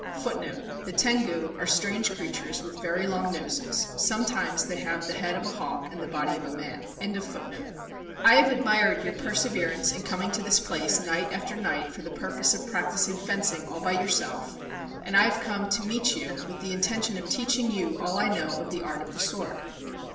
I have * The Tengu are strange creatures with very long noses; sometimes they have the head of a hawk and the body of a man. JAPAN admired your perseverance in coming to this place night after night for the purpose of practicing fencing all by yourself, and I have come to meet you, with the inten tion of teaching you all I know of the art of the sword."